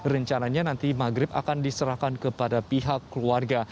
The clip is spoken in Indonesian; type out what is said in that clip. rencananya nanti maghrib akan diserahkan kepada pihak keluarga